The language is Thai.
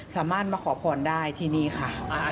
สามารถมาขอพรได้ที่นี่ค่ะ